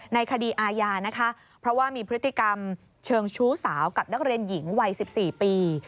ในคดีอาญานะคะเพราะว่ามีพฤติกรรมเชิงชู้สาวกับนักเรียนหญิงวัย๑๔ปี